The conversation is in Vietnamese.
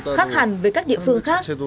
khác hẳn với các địa phương khác